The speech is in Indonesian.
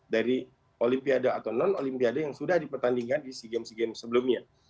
dari olimpiade atau non olimpiade yang sudah dipertandingkan di sea games sebelumnya